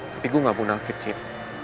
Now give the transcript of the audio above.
tapi gue gak mau nafis cid